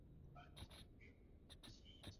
关于他的试验飞行胶卷今日依然被保存着。